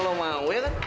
kita jangan sabar sabar